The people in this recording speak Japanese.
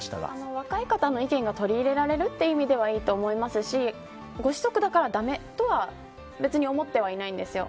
若い方の意見が取り入れられるという意味ではいいと思いますしご子息だから駄目とは別に思っていないですよ。